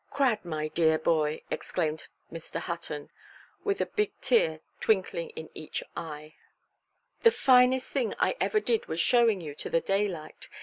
"Crad, my dear boy", exclaimed Mr. Hutton, with a big tear twinkling in each little eye, "the finest thing I ever did was showing you to the daylight.